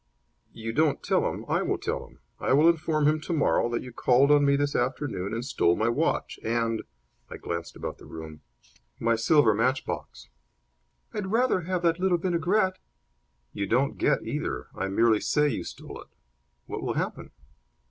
"You don't tell him. I will tell him. I will inform him tomorrow that you called on me this afternoon and stole my watch and" I glanced about the room "my silver matchbox." "I'd rather have that little vinaigrette." "You don't get either. I merely say you stole it. What will happen?"